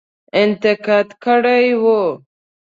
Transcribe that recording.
انتقاد کړی وو.